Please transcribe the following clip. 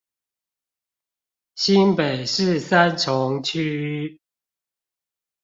新北市三重區